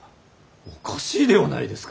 おかしいではないですか。